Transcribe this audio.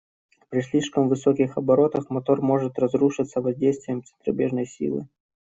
При слишком высоких оборотах мотор может разрушиться воздействием центробежной силы.